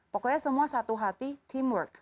pokoknya semua satu hati teamwork